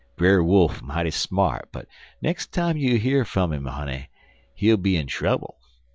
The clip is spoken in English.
Brer Wolf mighty smart, but nex' time you hear fum 'im, honey, he'll be in trouble.